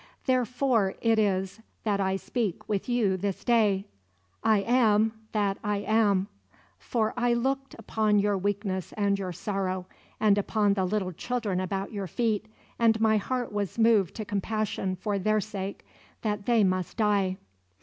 "Therefore it is that I speak with you this day: I AM THAT I AM. For I looked upon your weakness and your sorrow, and upon the little children about your feet; and my heart was moved to compassion for their sake, that they must die.